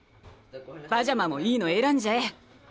パジャマもいいの選んじゃえ。